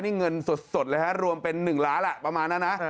นี่เงินสดเลยฮะรวมเป็น๑ล้านประมาณนั้นนะ